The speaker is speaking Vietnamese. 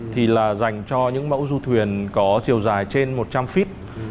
thì là dành cho những mẫu du thuyền có chiều dài trên một trăm linh feet